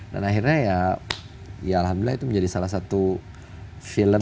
dan akhirnya ya alhamdulillah itu menjadi salah satu film